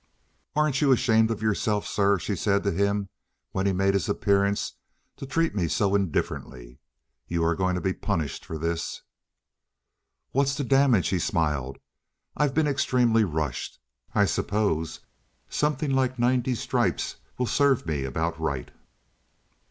"Aren't you ashamed of yourself, sir," she said to him when he made his appearance, "to treat me so indifferently? You are going to be punished for this." "What's the damage?" he smiled. "I've been extremely rushed. I suppose something like ninety stripes will serve me about right."